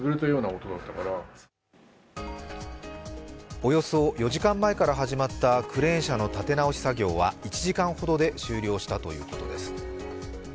およそ４時間前から始まったクレーン車の建て直し作業は１時間ほどで終了したということです。